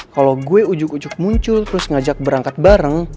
kalau gue ujuk ujuk muncul terus ngajak berangkat bareng